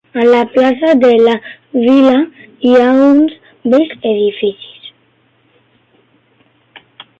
A la plaça de la vila hi ha uns bells edificis.